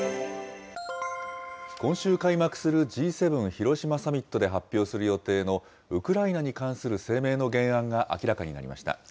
今週開幕するＧ７広島サミットで発表する予定のウクライナに関する声明の原案が明らかになりました。